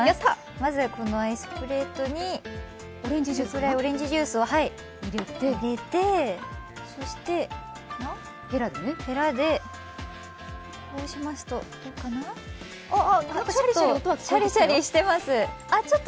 まず、このアイスプレートにこれぐらいオレンジジュースを入れて、そしてヘラでこうしますとシャリシャリしてます。